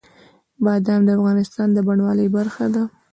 بادام د افغانستان د بڼوالۍ برخه ده.